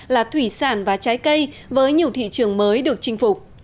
là thủy sản và trái cây với nhiều thị trường mới được chinh phục